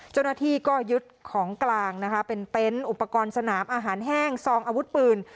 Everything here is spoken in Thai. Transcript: เจ้าหน้าที่ก็ยึดของกลางนะคะเป็นเต็นต์อุปกรณ์สนามอาหารแห้งซองอาวุธปืน